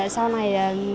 sau này tất cả